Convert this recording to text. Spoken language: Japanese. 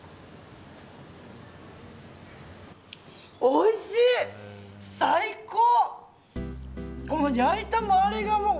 おいしい、最高！